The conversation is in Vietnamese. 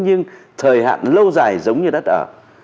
nhưng thời hạn lâu dài giống như đất ở